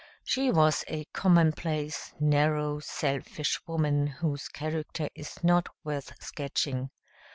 She was a commonplace, narrow, selfish woman, whose character is not worth sketching.